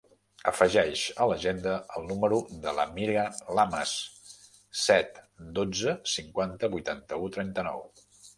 Afegeix a l'agenda el número de la Mirha Lamas: set, dotze, cinquanta, vuitanta-u, trenta-nou.